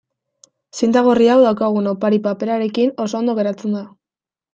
Zinta gorri hau daukagun opari-paperarekin oso ondo geratzen da.